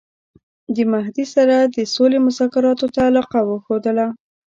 د مهدي سره د سولي مذاکراتو ته علاقه وښودله.